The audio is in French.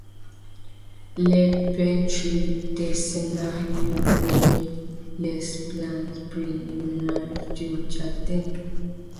Le peintre dessina lui-même les plans préliminaires du jardin.